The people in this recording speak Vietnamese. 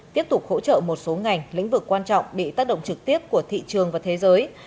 tiếp tục hỗ trợ một số ngành lĩnh vực quan trọng bị tác động trực tiếp của thị trường và thế giới